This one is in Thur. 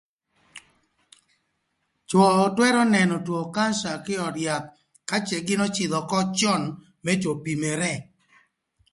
Cwö twërö nënö two kanca kï ï öd yath ka cë gïn öcïdhö ökö cön më co pimere.